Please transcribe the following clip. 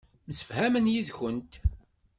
Msefhamen yid-kent.